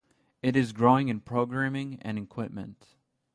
It is growing in programming and equipment.